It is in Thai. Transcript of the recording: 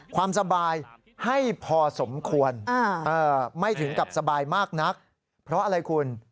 ความสบายให้พอสมควรไม่ถึงกับสบายมากนักเพราะอะไรคุณ